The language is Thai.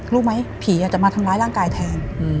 รู้ไหมผีจะมาทำร้ายร่างกายแทน